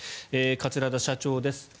桂田社長です。